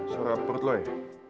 suara perut lo ya